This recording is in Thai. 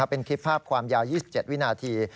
เป็นคลิปภาพความยาว๒๗วินาที